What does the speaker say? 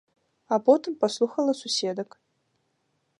А потым паслухала суседак.